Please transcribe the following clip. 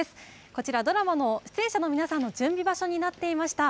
こちら、ドラマの出演者の皆さんの準備場所になっていました。